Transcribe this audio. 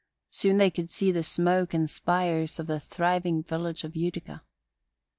Soon they could see the smoke and spires of the thriving village of Utica.